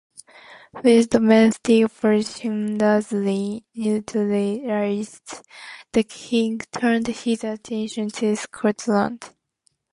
With domestic opposition largely neutralised, the king turned his attention to Scotland.